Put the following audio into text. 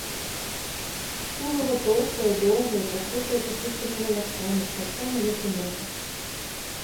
Тулава тоўстае, доўгае, пакрытае пушыстымі валаскамі, таксама як і ногі.